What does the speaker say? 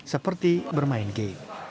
seperti bermain game